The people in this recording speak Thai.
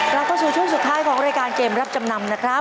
แล้วก็สู่ชุดสุดท้ายของรายการเกมรับจำนำนะครับ